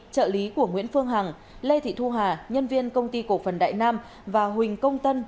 trợ lý của nguyễn phương hằng lê thị thu hà nhân viên công ty cổ phần đại nam và huỳnh công tân